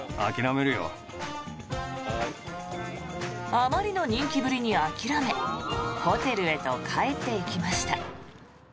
あまりの人気ぶりに諦めホテルへと帰っていきました。